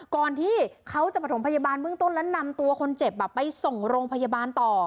ก่อนที่เขาจะประถมพยาบาลเบื้องต้นแล้วนำตัวคนเจ็บไปส่งโรงพยาบาลต่อ